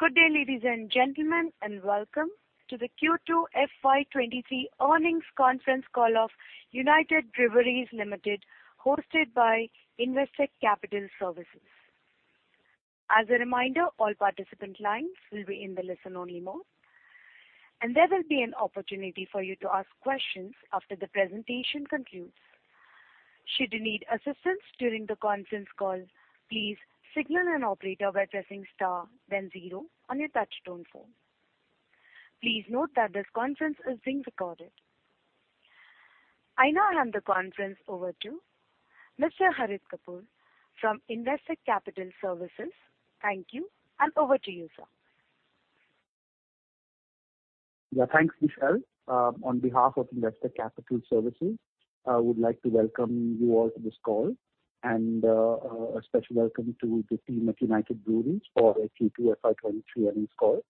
Good day, ladies and gentlemen, and welcome to the Q2 FY 2023 earnings conference call of United Breweries Limited, hosted by Investec Capital Services. As a reminder, all participant lines will be in the listen-only mode, and there will be an opportunity for you to ask questions after the presentation concludes. Should you need assistance during the conference call, please signal an operator by pressing star then zero on your touchtone phone. Please note that this conference is being recorded. I now hand the conference over to Mr. Harit Kapoor from Investec Capital Services. Thank you, and over to you, sir. Yeah. Thanks, Michelle. On behalf of Investec Capital Services, I would like to welcome you all to this call and a special welcome to the team at United Breweries for the Q2 FY23 earnings call.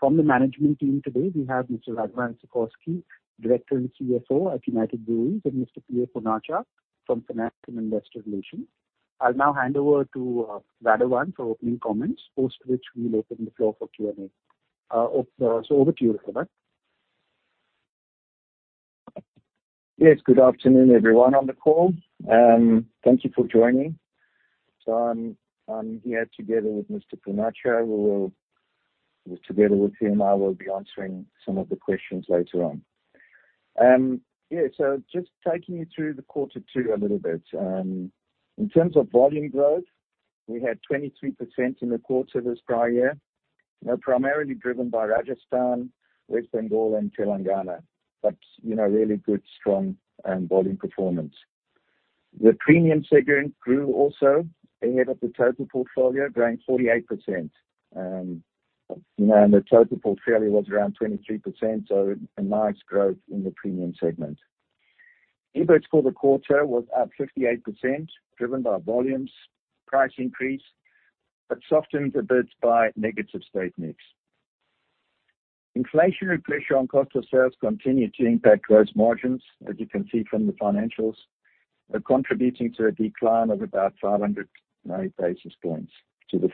From the management team today, we have Mr. Radovan Sikorsky, Director and CFO at United Breweries, and Mr. P.A. Poonacha from Finance and Investor Relations. I'll now hand over to Radovan for opening comments, post which we'll open the floor for Q&A. Over to you, Radovan. Yes, good afternoon, everyone on the call, and thank you for joining. I'm here together with Mr. P.A. Poonacha. Together with him, I will be answering some of the questions later on. And yeah, so just taking you through quarter two a little bit. In terms of volume growth, we had 23% in the quarter this prior year. You know, primarily driven by Rajasthan, West Bengal and Telangana, but you know, really good strong volume performance. The premium segment grew also ahead of the total portfolio, growing 48%. You know, and the total portfolio was around 23%, so a nice growth in the premium segment. EBIT for the quarter was up 58%, driven by volumes, price increase, but softened a bit by negative state mix. Inflationary pressure on cost of sales continued to impact gross margins, as you can see from the financials, contributing to a decline of about 500 basis points to the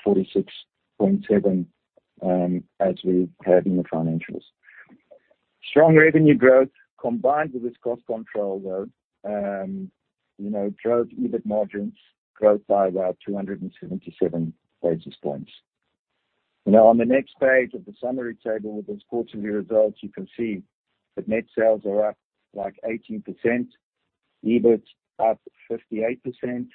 46.7%, and as we have in the financials. Strong revenue growth combined with this cost control though, and you know, drove EBIT margins growth by about 277 basis points. You know, on the next page of the summary table with those quarterly results, you can see that net sales are up like 18%, EBIT up 58%, you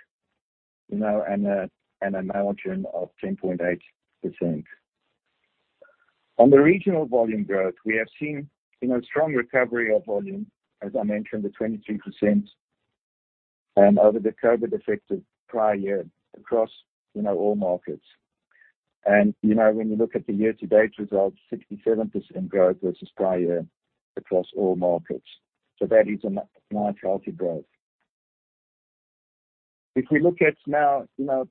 know, and a margin of 10.8%. On the regional volume growth, we have seen, you know, strong recovery of volume, as I mentioned, the 23% over the COVID affected prior year across, you know, all markets. And you know, when you look at the year-to-date results, 67% growth versus prior year across all markets. That is a nice healthy growth. If we look at now, you know,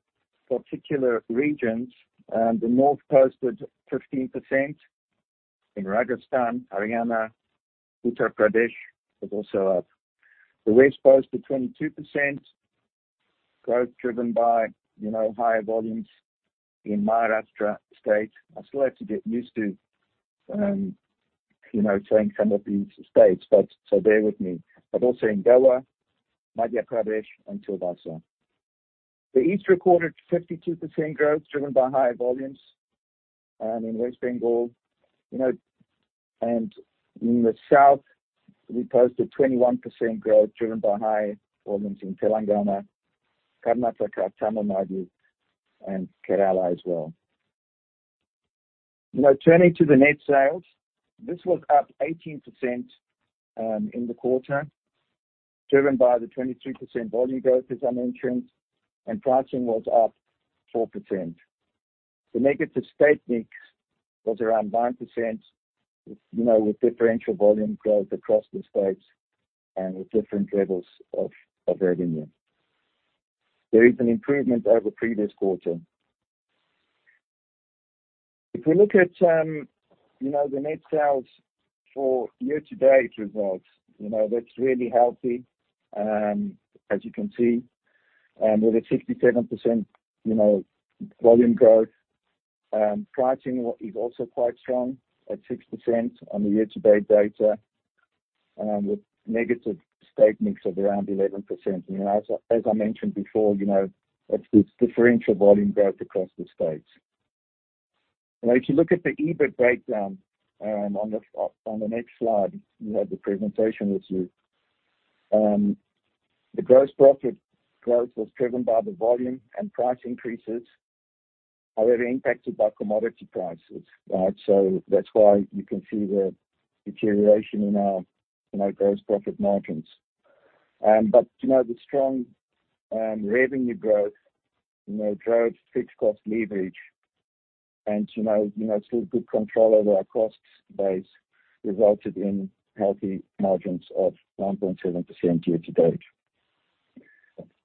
particular regions, the North posted 15% in Rajasthan, Haryana, Uttar Pradesh was also up. The West posted 22% growth driven by, you know, higher volumes in Maharashtra state. I still have to get used to, you know, saying some of these states, but so bear with me. But also in Goa, Madhya Pradesh and Chhattisgarh. The East recorded 52% growth driven by higher volumes in West Bengal, you know. And in the South, we posted 21% growth driven by high volumes in Telangana, Karnataka, Tamil Nadu and Kerala as well. You know, turning to the net sales, this was up 18% in the quarter, driven by the 23% volume growth, as I mentioned, and pricing was up 4%. The negative state mix was around 9%, you know, with differential volume growth across the states and with different levels of revenue. There is an improvement over previous quarter. If we look at the net sales for year-to-date results, you know, that's really healthy. As you can see, with a 67% you know volume growth. Pricing is also quite strong at 6% on the year-to-date data, with negative state mix of around 11%. You know, as I mentioned before, you know, it's this differential volume growth across the states. You know, if you look at the EBIT breakdown, on the next slide, you have the presentation with you. The gross profit growth was driven by the volume and price increases, however impacted by commodity prices. So that's why you can see the deterioration in our, you know, gross profit margins. But, you know, the strong revenue growth, you know, drove fixed cost leverage. And you know, still good control over our cost base resulted in healthy margins of 1.7% year to date.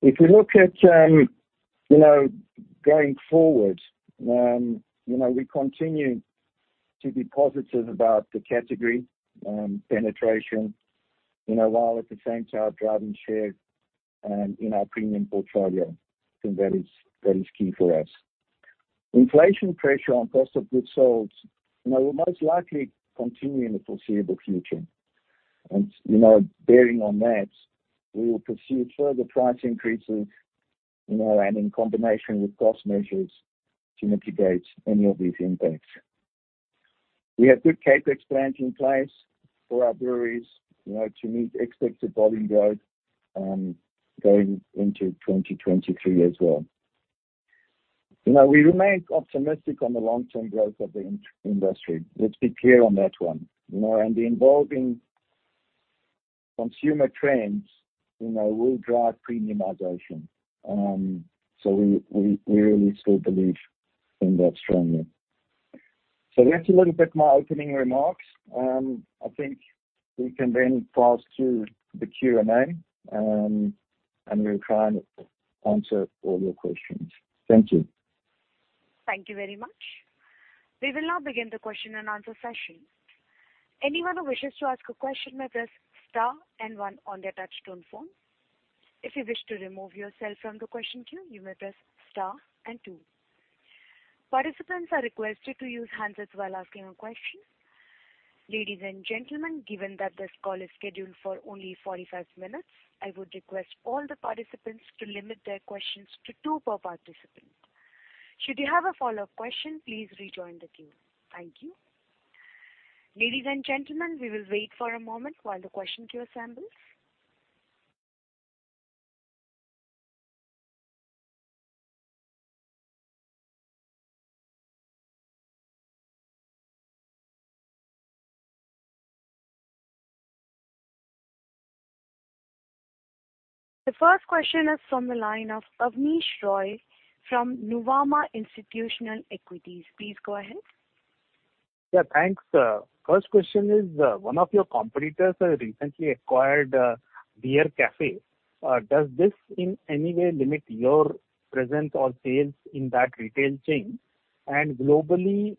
If we look at, you know, going forward, you know, we continue to be positive about the category, penetration, you know, while at the same time driving share, in our premium portfolio. I think that is key for us. Inflation pressure on cost of goods sold, you know, will most likely continue in the foreseeable future. You know, bearing on that, we will pursue further price increases, you know, and in combination with cost measures to mitigate any of these impacts. We have good CapEx plans in place for our breweries, you know, to meet expected volume growth going into 2023 as well. You know, we remain optimistic on the long-term growth of the industry. Let's be clear on that one. You know, and the evolving consumer trends, you know, will drive premiumization. So we really still believe in that strongly. That's a little bit my opening remarks. I think we can then pass to the Q&A, and we'll try and answer all your questions. Thank you. Thank you very much. We will now begin the question and answer session. Anyone who wishes to ask a question may press star and one on their touchtone phone. If you wish to remove yourself from the question queue, you may press star and two. Participants are requested to use handsets while asking a question. Ladies and gentlemen, given that this call is scheduled for only 45 minutes, I would request all the participants to limit their questions to two per participant. Should you have a follow-up question, please rejoin the queue. Thank you. Ladies and gentlemen, we will wait for a moment while the question queue assembles. The first question is from the line of Abneesh Roy from Nuvama Institutional Equities. Please go ahead. Yeah, thanks. First question is, one of your competitors has recently acquired the The Beer Cafe. Does this in any way limit your presence or sales in that retail chain? Globally,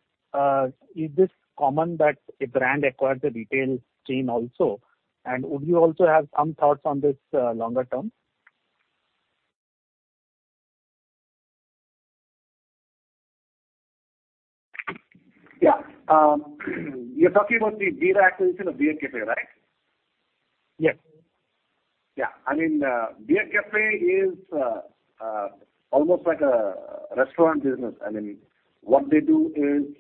is this common that a brand acquires a retail chain also? Would you also have some thoughts on this, longer term? Yeah. You're talking about the Bira acquisition of The Beer Cafe, right? Yes. Yeah. I mean, The Beer Cafe is almost like a restaurant business. I mean, what they do is,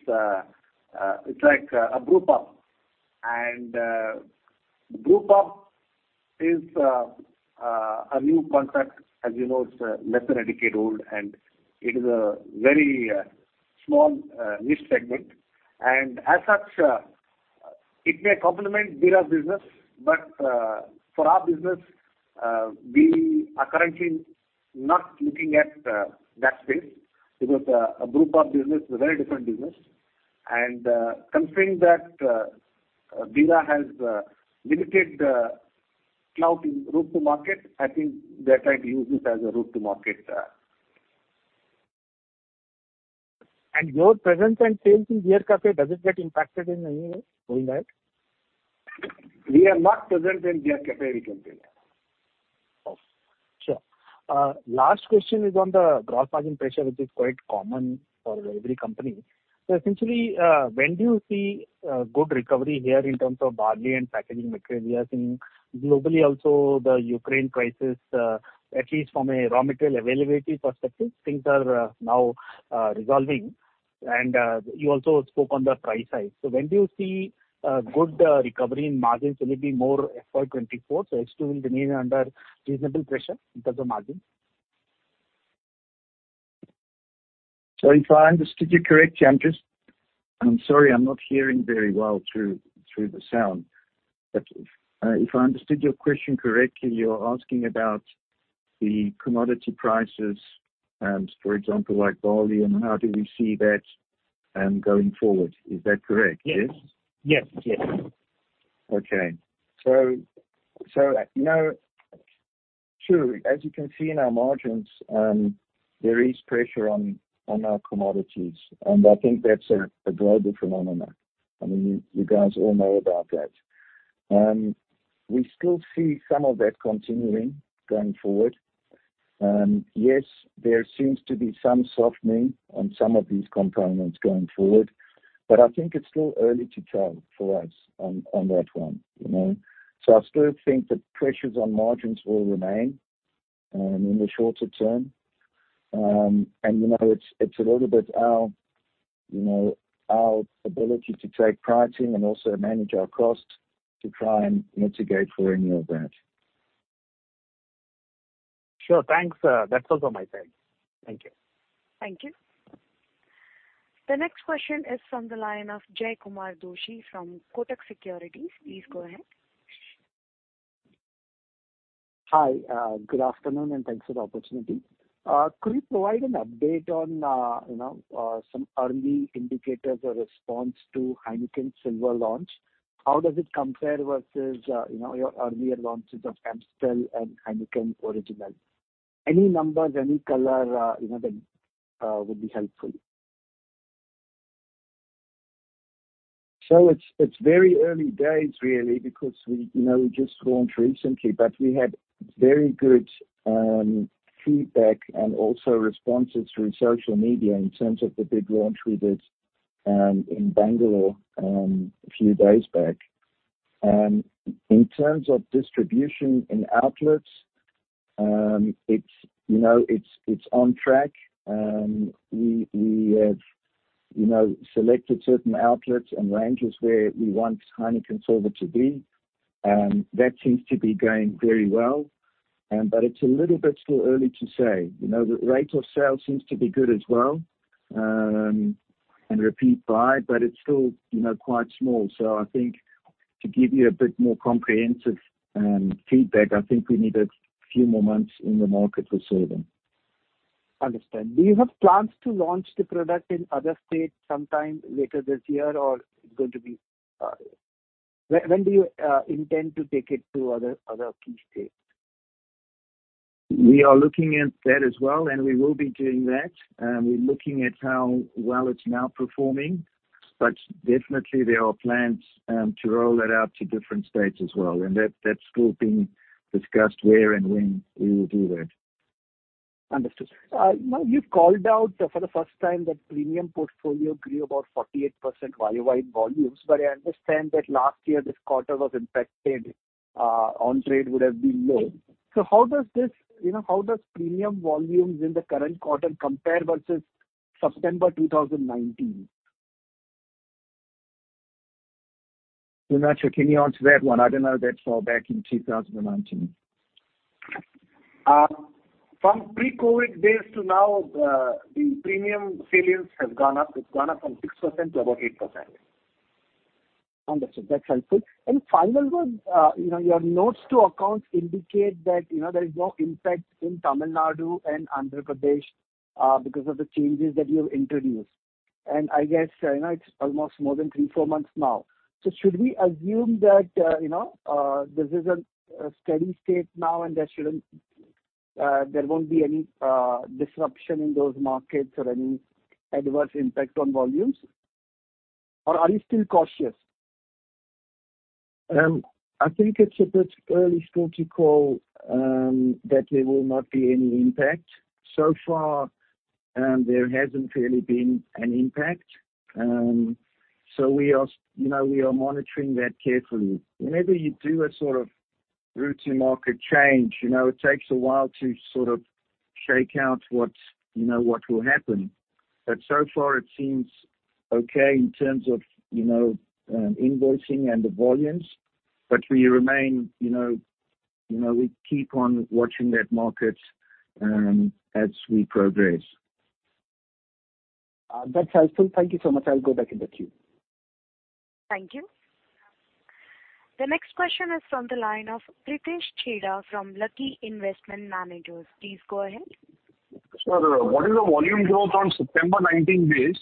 it's like a brewpub. And a brewpub is a new concept. As you know, it's less than a decade old, and it is a very small niche segment. As such, it may complement Bira's business, but for our business, we are currently not looking at that space. Because a brewpub business is a very different business. Considering that Bira has limited clout in route to market, I think they're trying to use this as a route to market. And your presence and sales in The Beer Cafe, does it get impacted in any way doing that? We are not present in The Beer Cafe retail. Okay. Sure. Last question is on the gross margin pressure, which is quite common for every company. Essentially, when do you see good recovery here in terms of barley and packaging materials? Globally also, the Ukraine crisis, at least from a raw material availability perspective, things are now resolving. And you also spoke on the price side. When do you see a good recovery in margins? Will it be more FY 2024? H2 will remain under reasonable pressure in terms of margins. If I understood you correctly, I'm sorry, I'm not hearing very well through the sound. But if I understood your question correctly, you're asking about the commodity prices, for example, like barley, and how do we see that going forward. Is that correct? Yes. Yes. Yes. Okay. So you know, sure, as you can see in our margins, there is pressure on our commodities, and I think that's a global phenomenon. I mean, you guys all know about that. We still see some of that continuing going forward. Yes, there seems to be some softening on some of these components going forward, but I think it's still early to tell for us on that one, you know? So I still think the pressures on margins will remain in the shorter term. And you know, it's a little bit our you know, our ability to take pricing and also manage our costs to try and mitigate for any of that. Sure. Thanks. That's all from my side. Thank you. Thank you. The next question is from the line of Jaykumar Doshi from Kotak Securities. Please go ahead. Hi. Good afternoon, and thanks for the opportunity. Could you provide an update on, you know, some early indicators or response to Heineken Silver launch? How does it compare versus, you know, your earlier launches of Amstel and Heineken Original? Any numbers, any color, you know, that would be helpful. So it's very early days really because you know, we just launched recently, but we had very good feedback and also responses through social media in terms of the big launch we did in Bangalore a few days back. In terms of distribution and outlets, it's you know, on track. We have you know, selected certain outlets and ranges where we want Heineken Silver to be. That seems to be going very well, but it's a little bit still early to say. You know, the rate of sale seems to be good as well, and repeat buy, but it's still you know, quite small. I think to give you a bit more comprehensive feedback, I think we need a few more months in the market for Silver. Understand. Do you have plans to launch the product in other states sometime later this year, or it's going to be, when do you intend to take it to other key states? We are looking at that as well, and we will be doing that. We're looking at how well it's now performing. But definitely there are plans to roll it out to different states as well. That, that's still being discussed where and when we will do that. Understood. Now you've called out for the first time that premium portfolio grew about 48% volume-wide volumes, but I understand that last year this quarter was impacted, on-trade would have been low. How does this, you know, how does premium volumes in the current quarter compare versus September 2019? P.A. Poonacha, can you answer that one? I don't know that far back in 2019. From pre-COVID days to now, the premium sales has gone up. It's gone up from 6% to about 8%. Understood. That's helpful. Final one, you know, your notes to accounts indicate that, you know, there is no impact in Tamil Nadu and Andhra Pradesh because of the changes that you have introduced. I guess, you know, it's almost more than three to four months now. Should we assume that, you know, this is a steady state now and there won't be any disruption in those markets or any adverse impact on volumes? or are you still cautious? I think it's a bit early still to call that there will not be any impact. So far, there hasn't really been an impact. We are, you know, monitoring that carefully. Whenever you do a sort of route to market change, you know, it takes a while to sort of shake out what, you know, will happen. So far it seems okay in terms of, you know, invoicing and the volumes. We remain, you know, we keep on watching that market, as we progress. That's helpful. Thank you so much. I'll go back in the queue. Thank you. The next question is from the line of Pritesh Chheda from Lucky Investment Managers. Please go ahead. What is the volume growth on September 2019 base?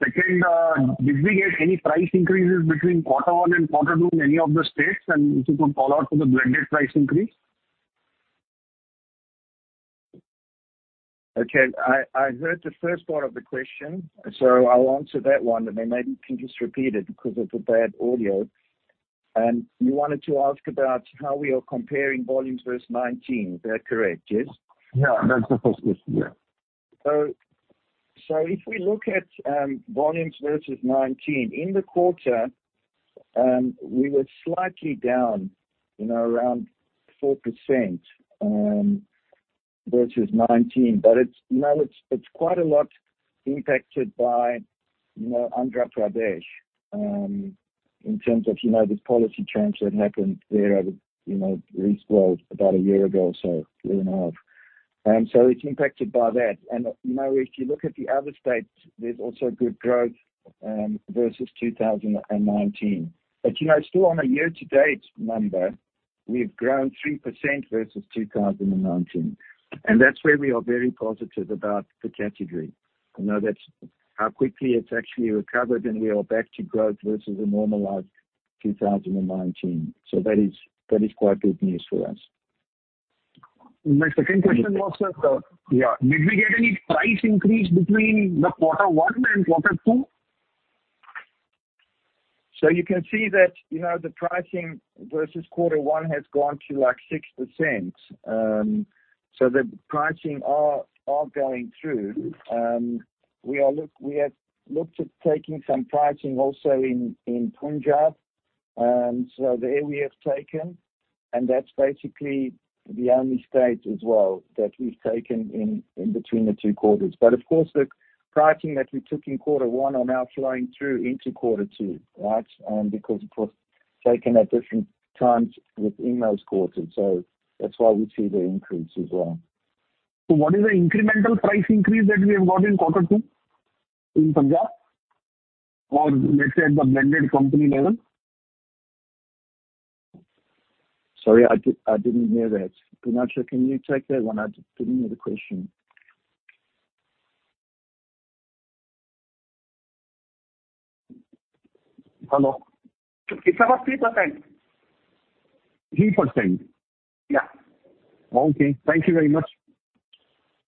Second, did we get any price increases between quarter one and quarter two in any of the states? And if you could call out for the blended price increase? Okay. I heard the first part of the question, so I'll answer that one, and then maybe you can just repeat it because of the bad audio. You wanted to ask about how we are comparing volumes versus 2019. Is that correct? Yes? Yeah. That's the first question. Yeah. So if we look at volumes versus 2019 in the quarter, we were slightly down, you know, around 4% versus 2019. It's quite a lot impacted by, you know, Andhra Pradesh in terms of, you know, this policy change that happened there over, you know, repealed about a year ago or so, year and a half. It's impacted by that. If you look at the other states, there's also good growth versus 2019. Still on a year-to-date number, we've grown 3% versus 2019. That's where we are very positive about the category. You know, that's how quickly it's actually recovered and we are back to growth versus a normalized 2019. That is quite good news for us. My second question was, did we get any price increase between quarter one and quarter two? You can see that, you know, the pricing versus quarter one has gone to like 6%. The pricing are going through. We have looked at taking some pricing also in Punjab, so there we have taken, and that's basically the only state as well that we've taken in between the two quarters. Of course, the pricing that we took in quarter one are now flowing through into quarter two, right? Because it was taken at different times within those quarters. That's why we see the increase as well. What is the incremental price increase that we have got in quarter two in Punjab, or let's say at the blended company level? Sorry, I didn't hear that. P.A. Poonacha, can you take that one? I didn't hear the question. Hello. It's about 3%. 3%? Yeah. Okay, thank you very much.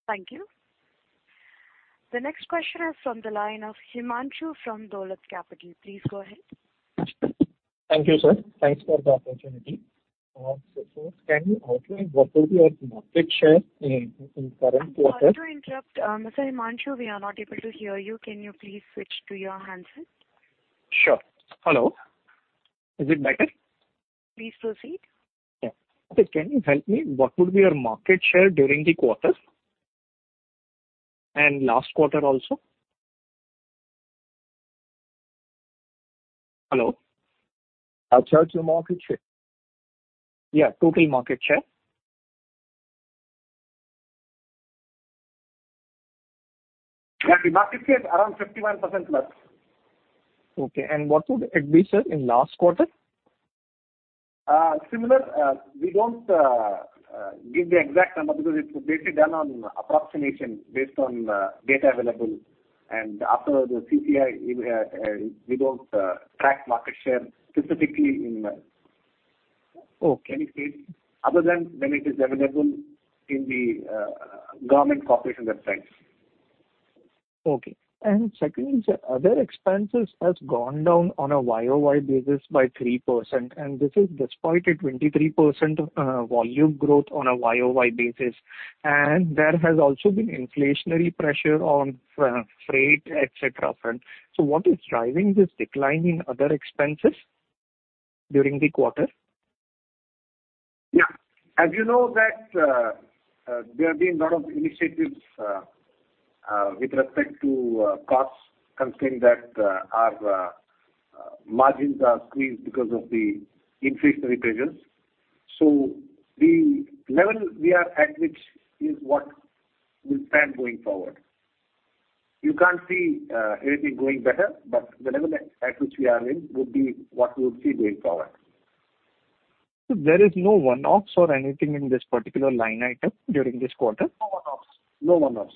Thank you. The next question is from the line of Himanshu from Dolat Capital. Please go ahead. Thank you, sir. Thanks for the opportunity. First can you outline what will be your market share in current quarter? Sorry to interrupt, Mr. Himanshu. We are not able to hear you. Can you please switch to your handset? Sure. Hello. Is it better? Please proceed. Yeah. Can you help me? What would be your market share during the quarter and last quarter also? Hello. I'm sorry, your market share? Yeah, total market share. Yeah, the market share is around 51% plus. Okay. What would it be, sir, in last quarter? Similar. We don't give the exact number because it's basically done on approximation based on data available. And after the CPI, we don't track market share specifically in uncertain. Okay. Any case other than when it is available in the government corporation websites. Second is, other expenses has gone down on a YOY basis by 3%, and this is despite a 23% volume growth on a YOY basis. And there has also been inflationary pressure on freight, et cetera. What is driving this decline in other expenses during the quarter? Yeah. As you know that, there have been lot of initiatives, with respect to, cost constraint that, our margins are squeezed because of the inflationary pressures. So the level we are at which is what we'll stand going forward. You can't see anything going better, but the level at which we are in would be what we would see going forward. There is no one-offs or anything in this particular line item during this quarter? No one-offs.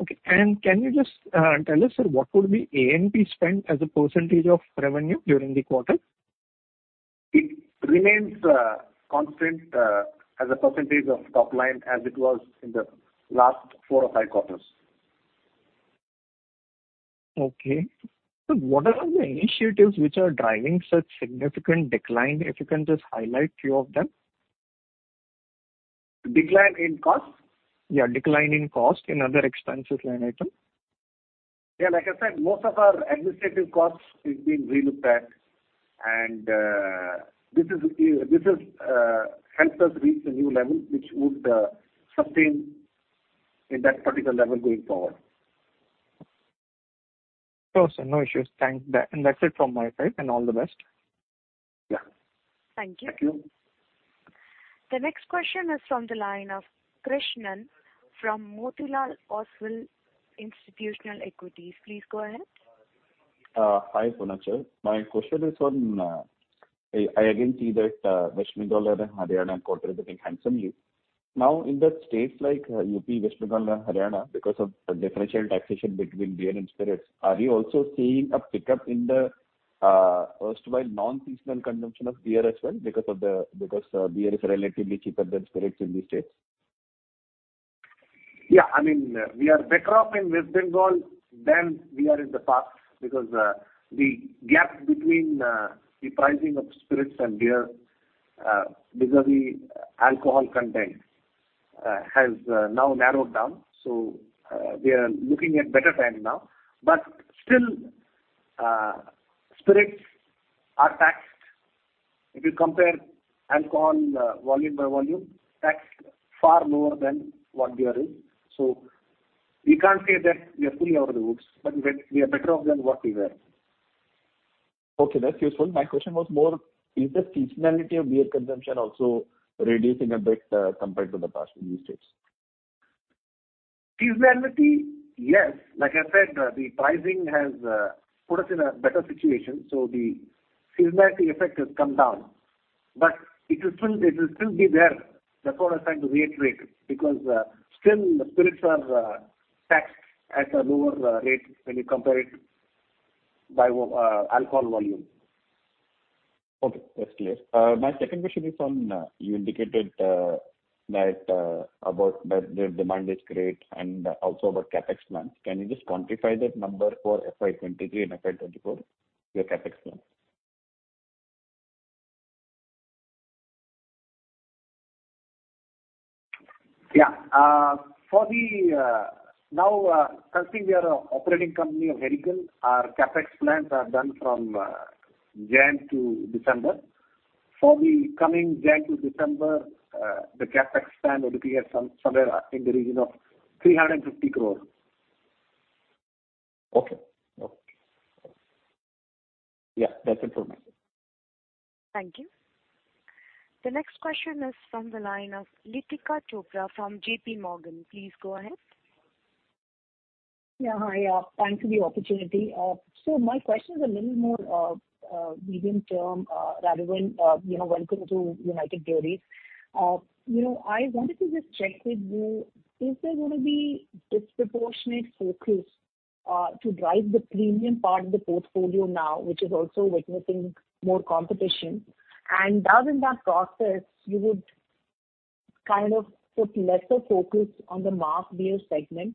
Okay. Can you just tell us, sir, what would be A&P spend as a percentage of revenue during the quarter? It remains constant as a percentage of top line as it was in the last four or five quarters. Okay. What are the initiatives which are driving such significant decline? If you can just highlight few of them. Decline in cost? Yeah, decline in costs in other expenses line item. Yeah. Like I said, most of our administrative costs is being relooked at, and this is helped us reach a new level which would sustain in that particular level going forward. Sure, sir. No issues. That's it from my side, and all the best. Yeah. Thank you. Thank you. The next question is from the line of Krishnan from Motilal Oswal Institutional Equities. Please go ahead. Hi, P.A. Poonacha. My question is on, I again see that, West Bengal and Haryana quarter looking handsomely. Now, in the states like, UP, West Bengal and Haryana because of the differential taxation between beer and spirits, are you also seeing a pickup in the, erstwhile non-seasonal consumption of beer as well because beer is relatively cheaper than spirits in these states? Yeah. I mean, we are better off in West Bengal than we are in the past because the gap between the pricing of spirits and beer because of the alcohol content has now narrowed down, so we are looking at better time now. But still, spirits are taxed. If you compare alcohol volume by volume, taxed far lower than what beer is. So we can't say that we are fully out of the woods, but we are better off than what we were. Okay, that's useful. My question was more is the seasonality of beer consumption also reducing a bit, compared to the past in these states? Seasonality, yes. Like I said, the pricing has put us in a better situation, so the seasonality effect has come down. It will still be there. That's what I was trying to reiterate because still the spirits are taxed at a lower rate when you compare it by alcohol volume. Okay, that's clear. My second question is on you indicated that the demand is great and also about CapEx plans. Can you just quantify that number for FY 2023 and FY 2024, your CapEx plans? Yeah, currently we are an operating company of Heineken. Our CapEx plans are done from January to December. For the coming January to December, the CapEx plan would be somewhere in the region of 350 crore. Okay. Yeah, that's informative. Thank you. The next question is from the line of Latika Chopra from J.P. Morgan. Please go ahead. Yeah. Hi. Thanks for the opportunity. My question is a little more medium term relevant, you know, welcome to United Breweries. You know, I wanted to just check with you, is there gonna be disproportionate focus to drive the premium part of the portfolio now, which is also witnessing more competition? Does in that process you would kind of put lesser focus on the mass beer segment?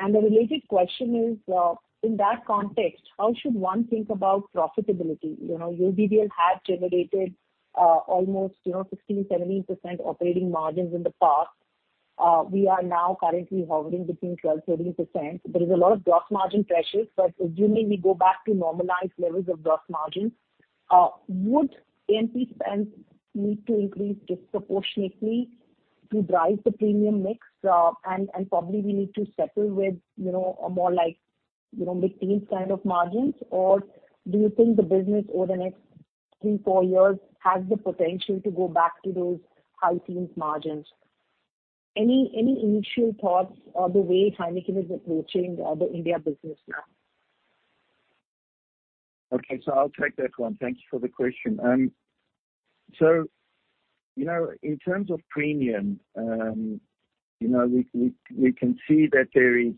The related question is, in that context, how should one think about profitability? You know, UBL had generated almost, you know, 16%-17% operating margins in the past. We are now currently hovering between 12%-13%. There is a lot of gross margin pressures, but assuming we go back to normalized levels of gross margin, would A&P spends need to increase disproportionately to drive the premium mix, and probably we need to settle with, you know, a more like, you know, mid-teens kind of margins? Or do you think the business over the next three, four years has the potential to go back to those high-teens margins? Any initial thoughts on the way Heineken is approaching the India business now? Okay. I'll take that one. Thank you for the question. You know, in terms of premium, you know, we can see that there is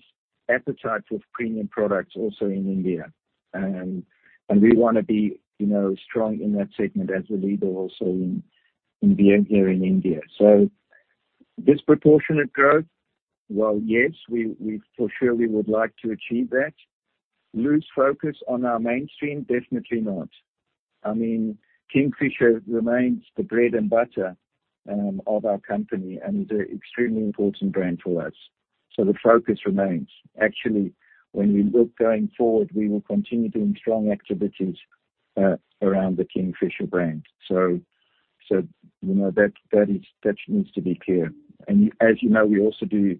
appetite for premium products also in India. And we wanna be, you know, strong in that segment as a leader also in beer here in India. So disproportionate growth, well, yes, we for sure would like to achieve that. Lose focus on our mainstream, definitely not. I mean, Kingfisher remains the bread and butter of our company and is an extremely important brand for us. So the focus remains. Actually, when we look going forward, we will continue doing strong activities around the Kingfisher brand. So you know, that needs to be clear. As you know, we also do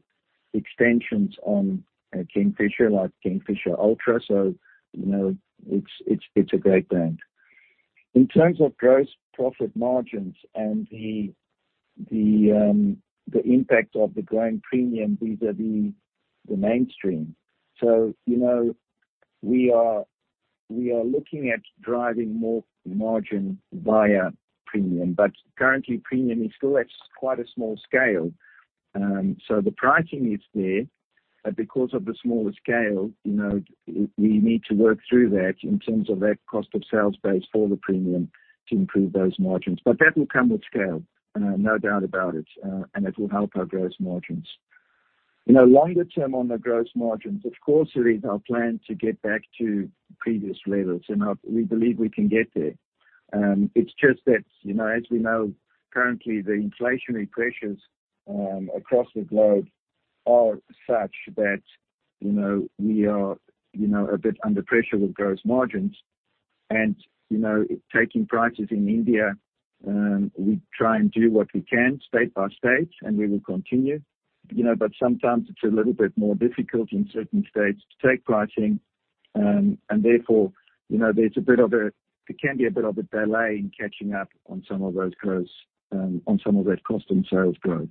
extensions on Kingfisher, like Kingfisher Ultra, so you know, it's a great brand. In terms of gross profit margins and the impact of the growing premium vis-à-vis the mainstream. So you know, we are looking at driving more margin via premium, but currently premium is still at quite a small scale. So the pricing is there, but because of the smaller scale, you know, we need to work through that in terms of that cost of sales base for the premium to improve those margins. That will come with scale, no doubt about it, and it will help our gross margins. You know, longer term on the gross margins, of course it is our plan to get back to previous levels, and we believe we can get there. And it's just that, you know, as we know, currently the inflationary pressures across the globe are such that, you know, we are, you know, a bit under pressure with gross margins. And you know, taking prices in India, we try and do what we can state by state, and we will continue. You know, but sometimes it's a little bit more difficult in certain states to take pricing, and therefore, you know, there can be a bit of a delay in catching up on some of those gross, on some of that cost and sales growth.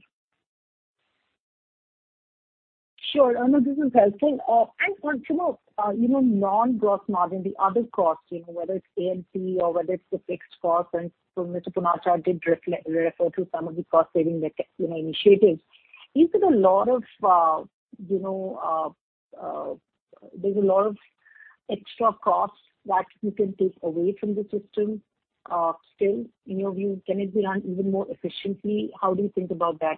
Sure. No, this is helpful. I want to know, you know, non-gross margin, the other costs, you know, whether it's A&P or whether it's the fixed costs, and so Mr. P.A. Poonacha did refer to some of the cost saving, you know, initiatives. There's a lot of a you know extra costs that you can take away from the system, still? In your view, can it be run even more efficiently? How do you think about that?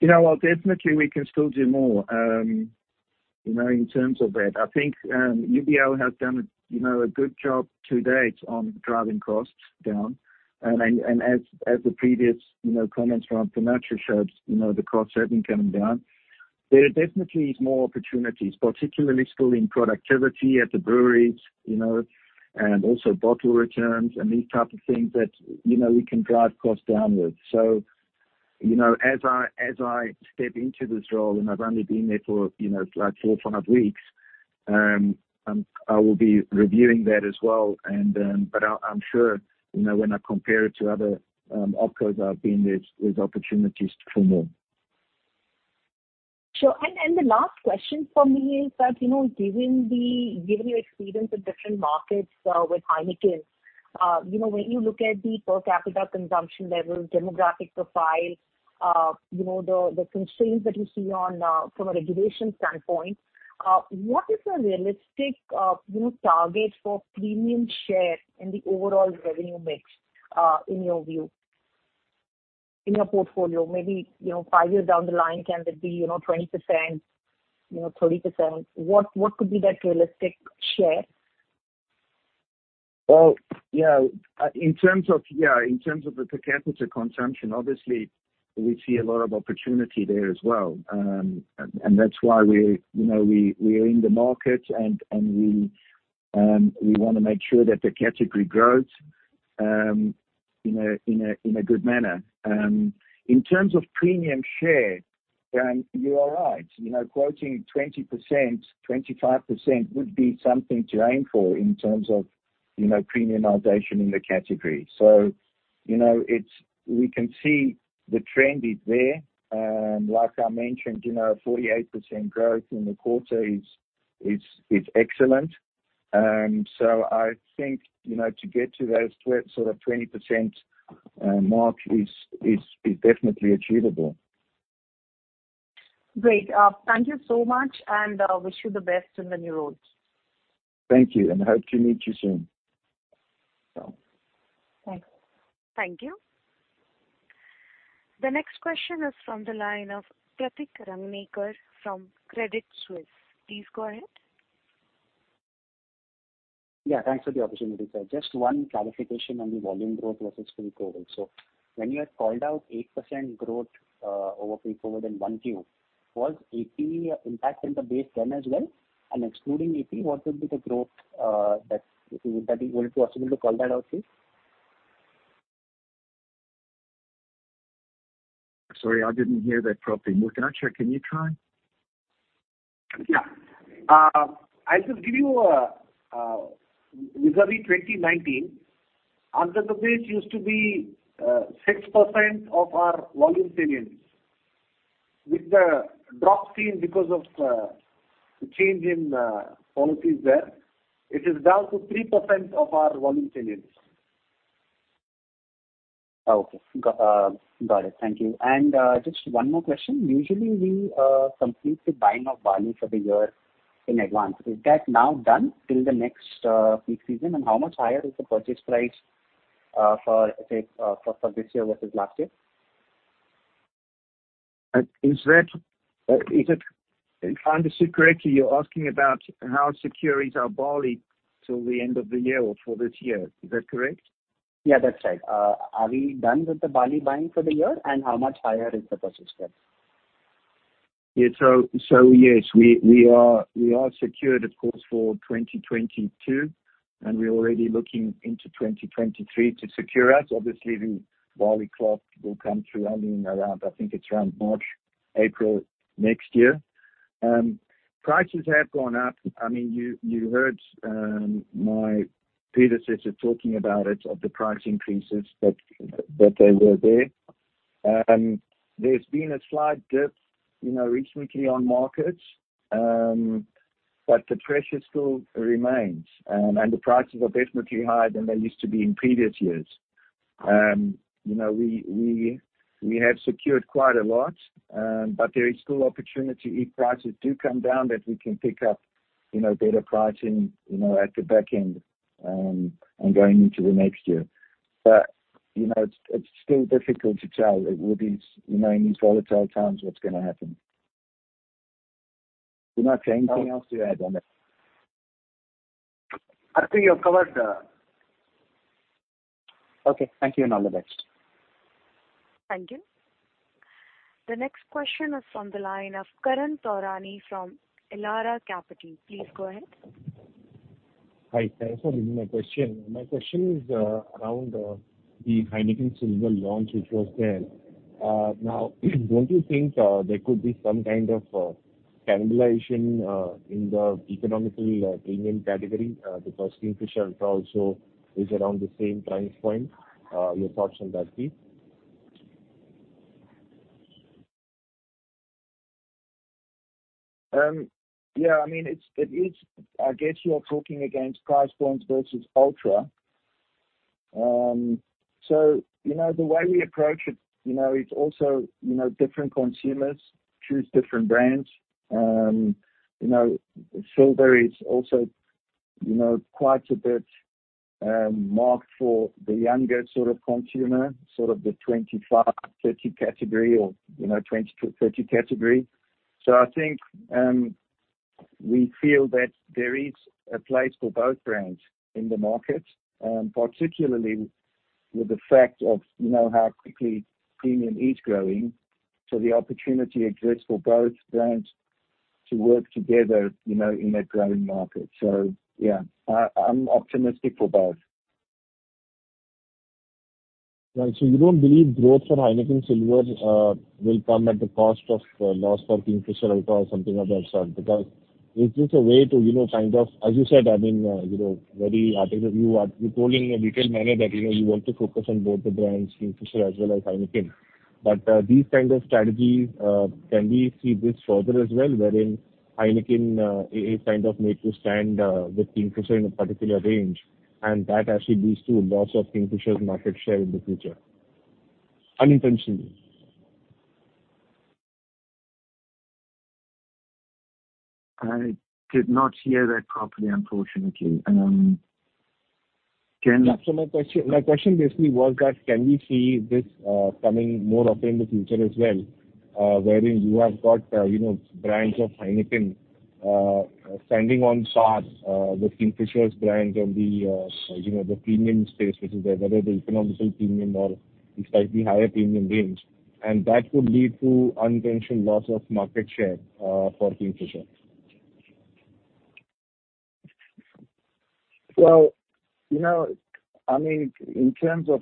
You know, well, definitely we can still do more, you know, in terms of that. I think UBL has done, you know, a good job to date on driving costs down. As the previous, you know, comments from P. A. Poonacha shows, you know, the costs have been coming down. There definitely is more opportunities, particularly still in productivity at the breweries, you know, and also bottle returns and these type of things that, you know, we can drive costs downwards. So you know, as I step into this role, and I've only been there for, you know, like four or five weeks, I will be reviewing that as well. I'm sure, you know, when I compare it to other opcos I've been with, there's opportunities for more. Sure. The last question from me is that, you know, given your experience with different markets, with Heineken, you know, when you look at the per capita consumption level, demographic profile, you know, the constraints that you see from a regulation standpoint, what is a realistic, you know, target for premium share in the overall revenue mix, in your view, in your portfolio? Maybe, you know, five years down the line, can that be, you know, 20%, you know, 30%? What could be that realistic share? Well, you know, in terms of the per capita consumption, obviously we see a lot of opportunity there as well. And that's why we you know we are in the market and we wanna make sure that the category grows in a good manner. In terms of premium share, you are right. You know, quoting 20%, 25% would be something to aim for in terms of, you know, premiumization in the category. So you know, we can see the trend is there. Like I mentioned, you know, 48% growth in the quarter is excellent. So I think, you know, to get to those sort of 20% mark is definitely achievable. Great. Thank you so much, and wish you the best in the new role. Thank you, and hope to meet you soon. Thanks. Thank you. The next question is from the line of Pratik Rangnekar from Credit Suisse. Please go ahead. Yeah. Thanks for the opportunity, sir. Just one clarification on the volume growth versus peak COVID. When you had called out 8% growth over peak COVID in 1Q, was A&P impact in the base then as well? Excluding A&P, what would be the growth? Will it be possible to call that out, please? Sorry, I didn't hear that properly. Mukund or Chirag, can you try? I'll just give you vis-à-vis 2019. In the base used to be 6% of our volume sales. With the drop seen because of the change in policies there, it is down to 3% of our volume sales. Okay. Got it. Thank you. Just one more question. Usually we complete the buying of barley for the year in advance. Is that now done till the next peak season? How much higher is the purchase price, for say, for this year versus last year? If I understood correctly, you're asking about how secure is our barley till the end of the year or for this year. Is that correct? Yeah, that's right. Are we done with the barley buying for the year, and how much higher is the purchase price? Yeah. So yes, we are secured, of course, for 2022, and we're already looking into 2023 to secure us. Obviously the barley crop will come through only in around, I think it's around March, April next year. And prices have gone up. I mean, you heard my predecessor talking about it, of the price increases that they were there. There's been a slight dip, you know, recently on markets, but the pressure still remains. And the prices are definitely higher than they used to be in previous years. You know, we have secured quite a lot, but there is still opportunity if prices do come down that we can pick up, you know, better pricing, you know, at the back end, and going into the next year. You know, it's still difficult to tell with these, you know, in these volatile times what's gonna happen. Mukund, anything else you add on it? I think you've covered. Okay. Thank you, and all the best. Thank you. The next question is on the line of Karan Taurani from Elara Capital. Please go ahead. Hi. Thanks for taking my question. My question is around the Heineken Silver launch, which was there. Now, don't you think there could be some kind of cannibalization in the economy premium category? Because Kingfisher Ultra also is around the same price point. Your thoughts on that, please. Yeah, I mean, it is. I guess you're talking against price points versus Ultra. So you know, the way we approach it, you know, it's also, you know, different consumers choose different brands. You know, Silver is also, you know, quite a bit marked for the younger sort of consumer, sort of the 25-30 category or, you know, 20-30 category. I think we feel that there is a place for both brands in the market, particularly with the fact of, you know, how quickly premium is growing. So the opportunity exists for both brands to work together, you know, in a growing market. So yeah, I'm optimistic for both. Right. You don't believe growth for Heineken Silver will come at the cost of loss for Kingfisher Ultra or something of that sort? Because is this a way to, you know, kind of. As you said, I mean, you know, very articulate, you are. You told in a detailed manner that, you know, you want to focus on both the brands, Kingfisher as well as Heineken. These kind of strategies can we see this further as well, wherein Heineken is kind of made to stand with Kingfisher in a particular range, and that actually leads to a loss of Kingfisher's market share in the future unintentionally? I did not hear that properly, unfortunately. My question basically was that can we see this coming more often in the future as well, wherein you have got, you know, brands of Heineken standing on par with Kingfisher's brands on the, you know, the premium space, which is whether the economical premium or slightly higher premium range, and that could lead to unintentional loss of market share for Kingfisher? Well, you know, I mean, in terms of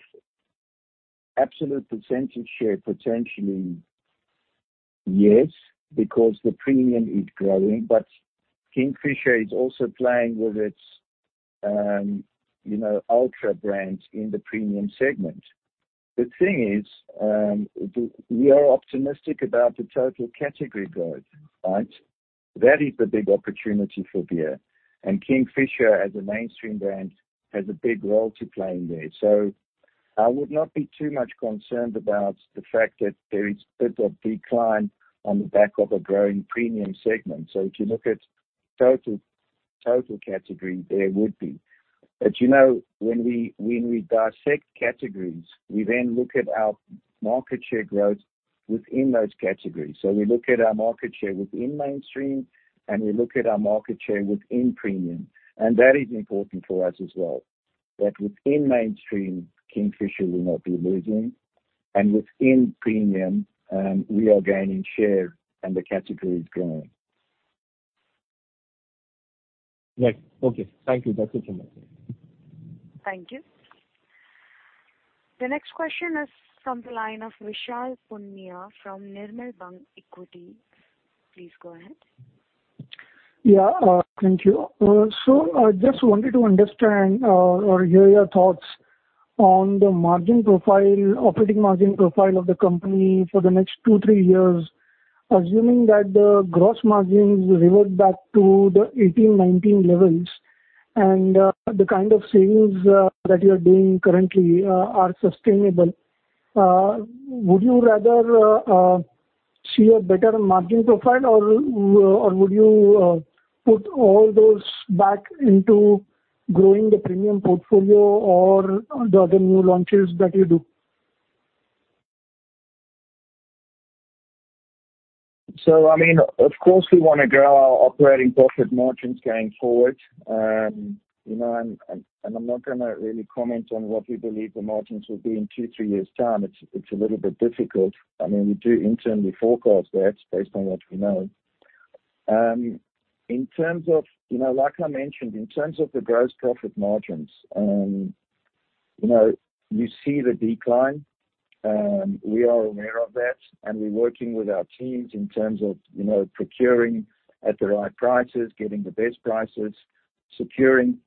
absolute percentage share, potentially. Yes, because the premium is growing, but Kingfisher is also playing with its, you know, Ultra brands in the premium segment. The thing is, we are optimistic about the total category growth, right? That is the big opportunity for beer, and Kingfisher as a mainstream brand has a big role to play in there. So I would not be too much concerned about the fact that there is bit of decline on the back of a growing premium segment. If you look at total category, there would be. And you know, when we dissect categories, we then look at our market share growth within those categories. So we look at our market share within mainstream, and we look at our market share within premium, and that is important for us as well. That within mainstream Kingfisher will not be losing, and within premium, we are gaining share, and the category is growing. Right. Okay. Thank you. That's it from my side. Thank you. The next question is from the line of Vishal Punia from Nirmal Bang Equities. Please go ahead. Yeah. Thank you. So I just wanted to understand or hear your thoughts on the margin profile, operating margin profile of the company for the next 2-3 years, assuming that the gross margins revert back to the 18%-19% levels, and the kind of savings that you're doing currently are sustainable. Would you rather see a better margin profile or would you put all those back into growing the premium portfolio or the other new launches that you do? So I mean, of course we wanna grow our operating profit margins going forward. I'm not gonna really comment on what we believe the margins will be in two, three years' time. It's a little bit difficult. I mean, we do internally forecast that based on what we know. Like I mentioned, in terms of the gross profit margins, we see the decline. We are aware of that, and we're working with our teams in terms of procuring at the right prices, getting the best prices, securing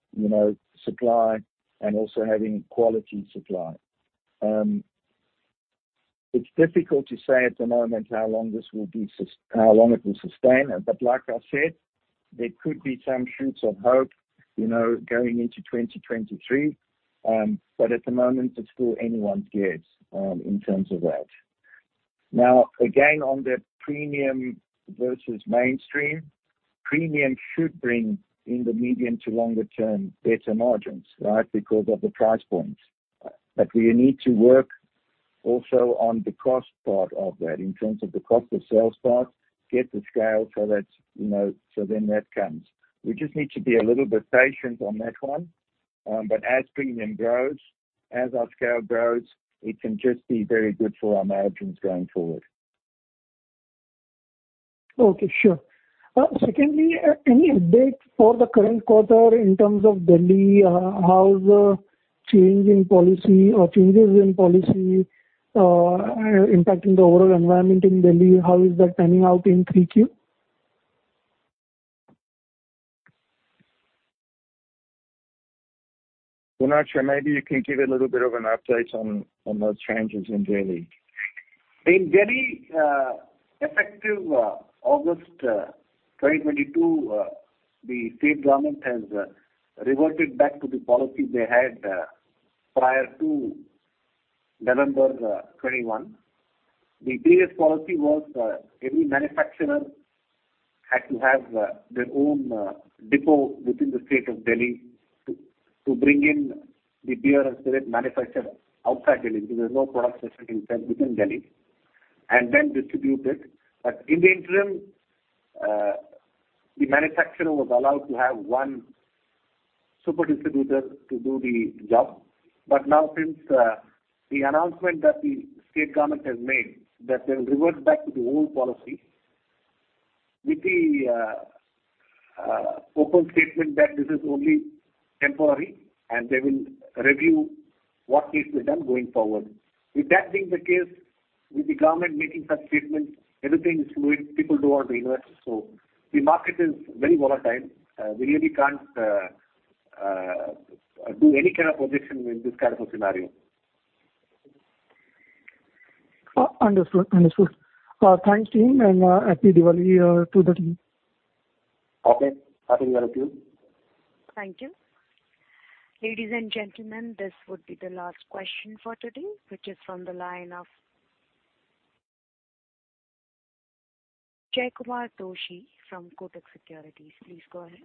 supply, and also having quality supply. It's difficult to say at the moment how long it will sustain. Like I said, there could be some shoots of hope, you know, going into 2023. At the moment it's still anyone's guess, in terms of that. Now, again, on the premium versus mainstream, premium should bring in the medium to longer term better margins, right? Because of the price points. We need to work also on the cost part of that in terms of the cost of sales part, get the scale so that, you know, so then that comes. We just need to be a little bit patient on that one. As premium grows, as our scale grows, it can just be very good for our margins going forward. Okay. Sure. Secondly, any update for the current quarter in terms of Delhi? How's the change in policy or changes in policy impacting the overall environment in Delhi? How is that panning out in Q3? P.A. Poonacha, maybe you can give a little bit of an update on those changes in Delhi. In Delhi, effective August 2022, the state government has reverted back to the policy they had prior to November 2021. The previous policy was every manufacturer had to have their own depot within the state of Delhi to bring in the beer and spirit manufactured outside Delhi because there's no product manufacturing plant within Delhi, and then distribute it. In the interim, the manufacturer was allowed to have one super distributor to do the job. Now since the announcement that the state government has made that they'll revert back to the old policy with the open statement that this is only temporary and they will review what needs to be done going forward. With that being the case, with the government making such statements, everything is fluid. People don't want to invest, so the market is very volatile. We really can't do any kind of prediction with this kind of a scenario. Understood. Thanks, team, and happy Diwali to the team. Okay. Happy Diwali to you. Thank you. Ladies and gentlemen, this would be the last question for today, which is from the line of Jaykumar Doshi from Kotak Securities. Please go ahead.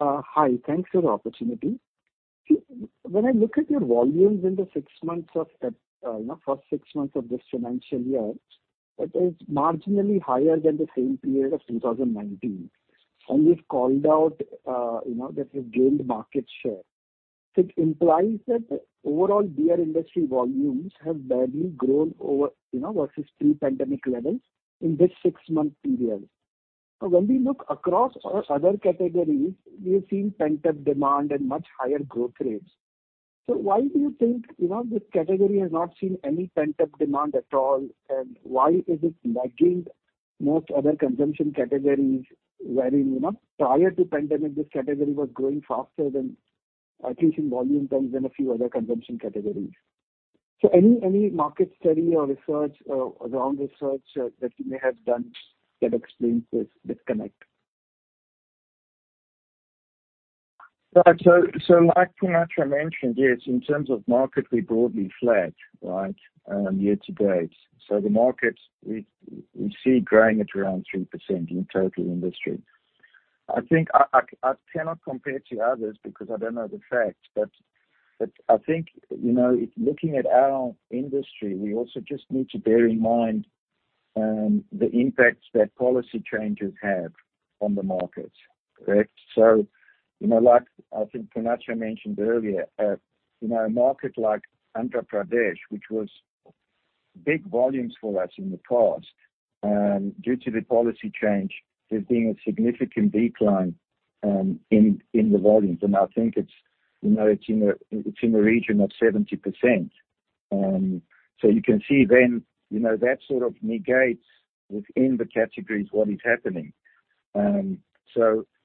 Hi. Thanks for the opportunity. When I look at your volumes in the six months of, you know, first six months of this financial year, it is marginally higher than the same period of 2019. You've called out, you know, that you've gained market share. It implies that overall beer industry volumes have barely grown over, you know, versus pre-pandemic levels in this six-month period. When we look across, other categories, we have seen pent-up demand and much higher growth rates. So why do you think, you know, this category has not seen any pent-up demand at all? Why is it lagging most other consumption categories wherein, you know, prior to pandemic, this category was growing faster than, at least in volume terms, than a few other consumption categories. So any market study or research around research that you may have done that explains this disconnect? Right. Like P.A. Poonacha mentioned, yes, in terms of market, we broadly flat, right, year to date. The market we see growing at around 3% in total industry. I think I cannot compare to others because I don't know the facts, but I think, you know, looking at our industry, we also just need to bear in mind the impact that policy changes have on the market, correct. So you know, like I think P.A. Poonacha mentioned earlier, you know, a market like Andhra Pradesh, which was big volumes for us in the past, due to the policy change, there's been a significant decline in the volumes. I think it's, you know, it's in a region of 70%. You can see, you know, that sort of negates within the categories what is happening.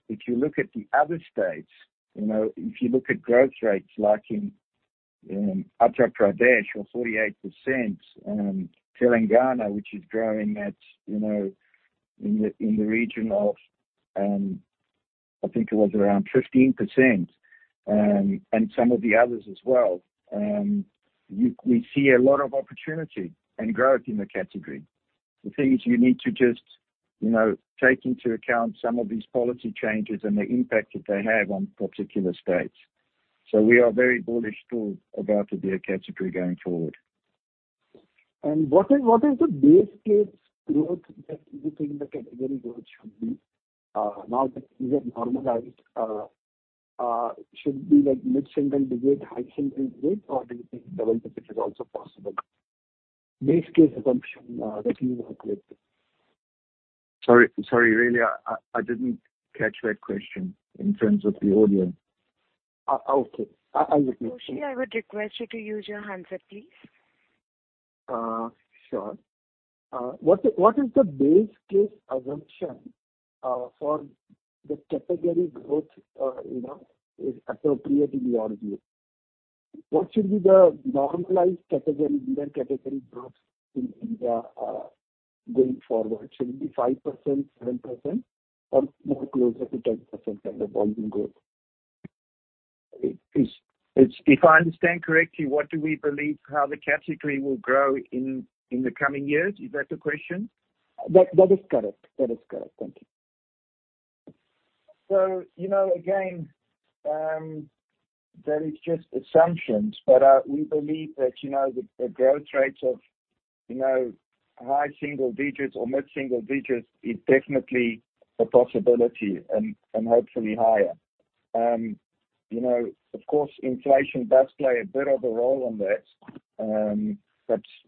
If you look at the other states, you know, if you look at growth rates like in Uttar Pradesh or 48%, Telangana, which is growing at, you know, in the region of, I think it was around 15%, and some of the others as well, we see a lot of opportunity and growth in the category. The thing is you need to just, you know, take into account some of these policy changes and the impact that they have on particular states. We are very bullish, too, about the beer category going forward. What is the base case growth that you think the category growth should be, should it be like mid-single digit, high single digit, or do you think double digit is also possible? Base case assumption that you work with. Sorry, Jay. I didn't catch that question in terms of the audio. Okay. I'll repeat. Doshi, I would request you to use your handset, please. Sure. What is the base case assumption for the category growth, you know, is appropriate in your view? What should be the normalized category beer category growth in India, going forward? Should it be 5%, 7% or more closer to 10% kind of volume growth? It's, if I understand correctly, what do we believe how the category will grow in the coming years? Is that the question? That is correct. Thank you. You know, again, that is just assumptions. But we believe that, you know, the growth rates of, you know, high single digits or mid single digits is definitely a possibility and hopefully higher. You know, of course, inflation does play a bit of a role in that.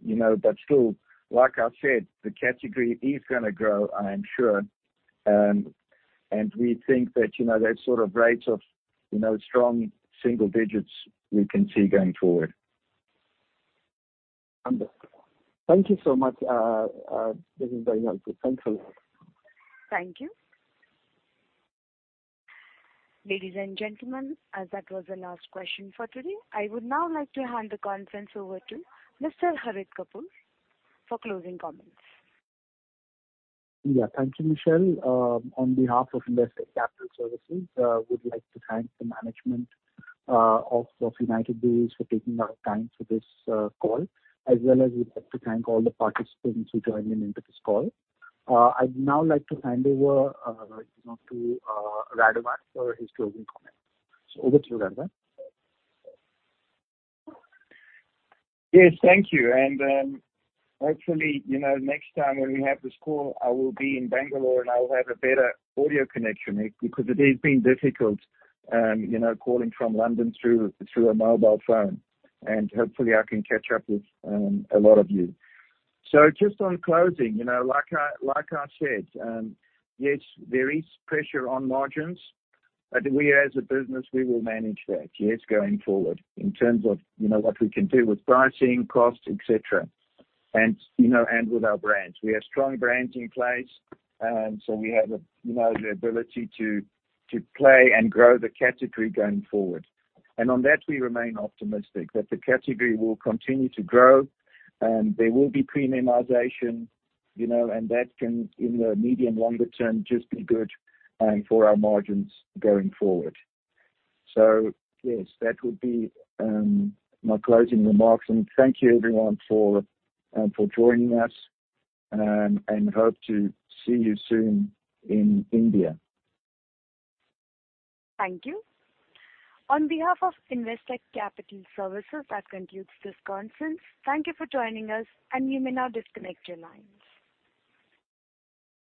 You know, but still, like I said, the category is gonna grow, I am sure. And we think that, you know, that sort of rates of, you know, strong single digits we can see going forward. Understood. Thank you so much. This is very helpful. Thanks a lot. Thank you. Ladies and gentlemen, as that was the last question for today, I would now like to hand the conference over to Mr. Harit Kapoor for closing comments. Yeah. Thank you, Michelle. On behalf of Investec Capital Services, we'd like to thank the management of United Breweries for taking the time for this call. As well as we'd like to thank all the participants who joined into this call. I'd now like to hand over, you know, to Radovan for his closing comments. Over to you, Radovan. Yes, thank you. And then, hopefully, you know, next time when we have this call, I will be in Bangalore, and I will have a better audio connection because it has been difficult, you know, calling from London through a mobile phone. And hopefully, I can catch up with a lot of you. Just on closing, you know, like I said, yes, there is pressure on margins, but we as a business, we will manage that, yes, going forward in terms of, you know, what we can do with pricing, cost, etc., and you know, with our brands. We have strong brands in place, so we have, you know, the ability to play and grow the category going forward. On that, we remain optimistic that the category will continue to grow, there will be premiumization, you know, and that can in the medium longer term just be good for our margins going forward. So yes, that would be my closing remarks. Thank you everyone for joining us, and hope to see you soon in India. Thank you. On behalf of Investec Capital Services, that concludes this conference. Thank you for joining us, and you may now disconnect your lines.